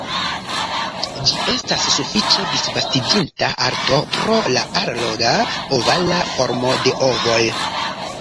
Ĝi estas sufiĉe disvastiĝinta arto pro la alloga, ovala formo de ovoj.